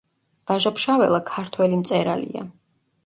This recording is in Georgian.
ვაჟა-ფშაველა ქართველი მწერალია